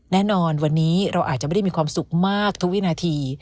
แน่นอนวันนี้เราอาจจะไม่ได้มีความสุขมากทุกวินาที